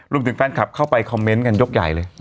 รวมถึงแฟนคลับเข้าไปคอมเมนต์กันยกใหญ่เลย